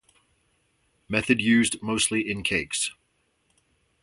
Method used mostly in cakes.